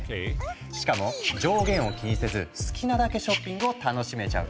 しかも上限を気にせず好きなだけショッピングを楽しめちゃう。